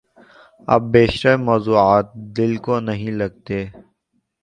اب بیشتر موضوعات دل کو نہیں لگتے۔